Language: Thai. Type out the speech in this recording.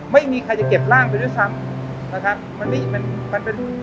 ไม่มีใครจะเก็บร่างไปด้วยซ้ำนะครับ